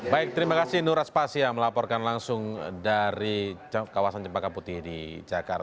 baik terima kasih nur raspasia melaporkan langsung dari kawasan jepang kaputih di jakarta